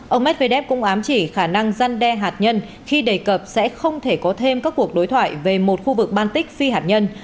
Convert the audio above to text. ông medvedev cũng ám chỉ khả năng răn đe hạt nhân khi đề cập sẽ không thể có thêm các cuộc đối thoại về một khu vực baltic phi hạt nhân